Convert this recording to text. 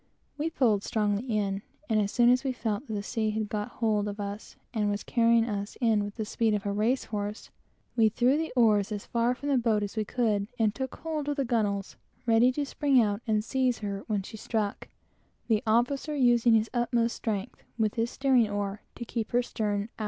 We pulled strongly in, and as soon as we felt that the sea had got hold of us and was carrying us in with the speed of a race horse, we threw the oars as far from the boat as we could, and took hold of the gunwale, ready to spring out and seize her when she struck, the officer using his utmost strength to keep her stern on.